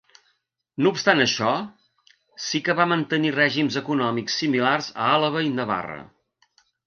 No obstant això, sí que va mantenir règims econòmics similars a Àlaba i Navarra.